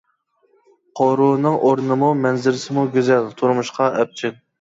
قورۇنىڭ ئورنىمۇ، مەنزىرىسىمۇ گۈزەل، تۇرمۇشقا ئەپچىل.